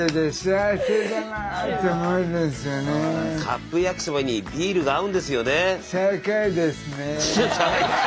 カップ焼きそばにビールが合うんですよね！